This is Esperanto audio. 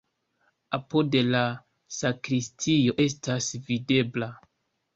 Apude la sakristio estas videbla.